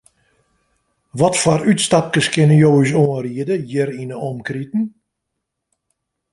Watfoar útstapkes kinne jo ús oanriede hjir yn 'e omkriten?